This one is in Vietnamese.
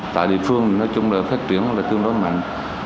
tại địa phương phát triển rất mạnh